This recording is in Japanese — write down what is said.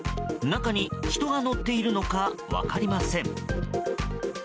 中に人が乗っているのか分かりません。